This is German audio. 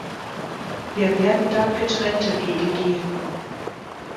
Wir werden dann getrennte Wege gehen.